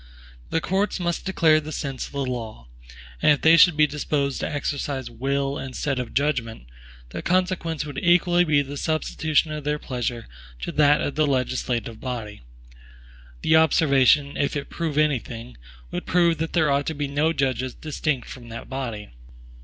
The courts must declare the sense of the law; and if they should be disposed to exercise WILL instead of JUDGMENT, the consequence would equally be the substitution of their pleasure to that of the legislative body. The observation, if it prove any thing, would prove that there ought to be no judges distinct from that body.